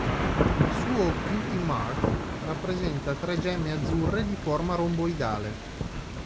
Il suo "cutie mark" rappresenta tre gemme azzurre di forma romboidale.